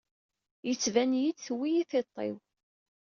Yettban-iyi-d tewwi-iyi tiṭ-iw.